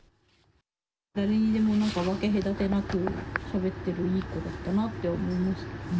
誰にでも分け隔てなくしゃべってるいい子だったなと思いますけどね。